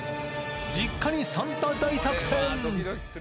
実家にサンタ大作戦。